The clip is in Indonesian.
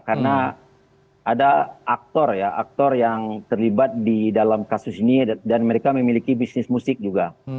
karena ada aktor yang terlibat di dalam kasus ini dan mereka memiliki bisnis musik juga